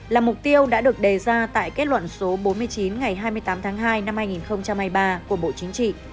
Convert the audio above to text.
là mục tiêu đã được đề ra tại kết luận số bốn mươi chín ngày hai mươi tám tháng hai năm hai nghìn hai mươi ba của bộ chính trị